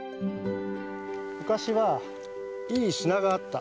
昔はいい砂があった。